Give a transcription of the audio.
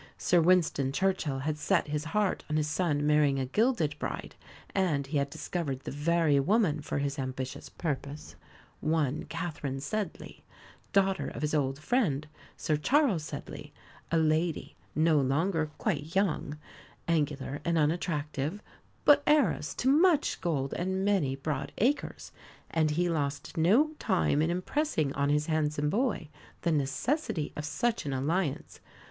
Sir Winston Churchill had set his heart on his son marrying a gilded bride, and he had discovered the very woman for his ambitious purpose one Catherine Sedley, daughter of his old friend Sir Charles Sedley, a lady, no longer quite young, angular and unattractive, but heiress to much gold and many broad acres. And he lost no time in impressing on his handsome boy the necessity of such an alliance.